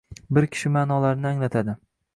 Bir kishi maʼnolarini anglatadi